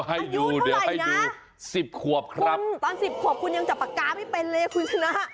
อัยุเท่าไหร่นะ๑๐ขวบครับตอน๑๐ขวบคุณยังจับปากกาไม่เป็นเลยคุณที่นะ